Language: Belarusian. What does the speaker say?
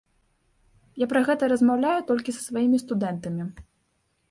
Я пра гэта размаўляю толькі са сваімі студэнтамі.